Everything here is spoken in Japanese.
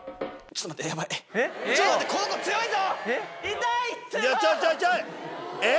ちょっと待って、この子、強いぞ！